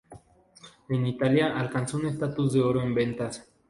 En Italia, alcanzó un estatus de oro en ventas.